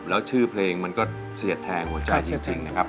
แล้วชื่อเพลงมันก็เสียดแทงหัวใจจริงนะครับ